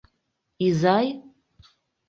Изай?